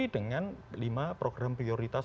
dengan lima program prioritas